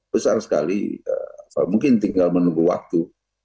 besar sekali mungkin tinggal menunggu waktu